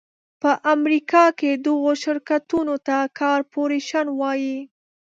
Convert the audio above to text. په امریکا کې دغو شرکتونو ته کارپورېشن وایي.